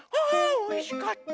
おいしかった。